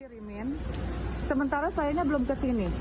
saya dikirimkan sementara saya belum ke sini